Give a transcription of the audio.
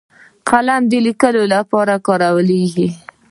قلم د لیکلو لپاره کارېږي